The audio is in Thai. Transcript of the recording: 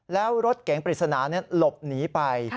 แล้วรถเก๋งปริศนาหลบหนีไป